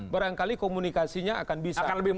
barangkali komunikasinya akan bisa